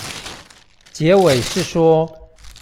結尾是說